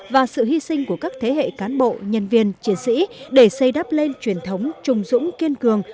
và sự hy sinh của các thế hệ cán bộ nhân viên chiến sĩ để xây đắp lên truyền thống trùng dũng kiên cường